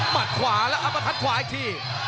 มัดขวาแล้วอับปะพัดขวาอีกที